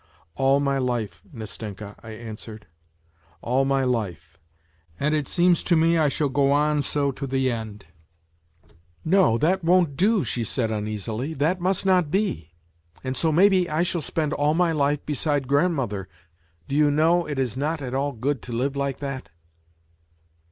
" "All my life, Nastenka," I answered; "all my life, and it seems to me I shall go on so to the end." WHITE NIGHTS 21 " No, that won't do," she said uneasily, " that must not be; and so, maybe, I shall spend all my life beside grandmother Do you know, it is not at all good to live like that